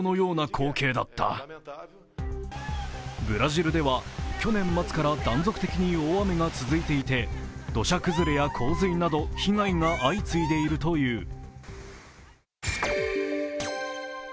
ブラジルでは去年末から断続的に大雨が続いていて土砂崩れや洪水など被害が相次いでいるという。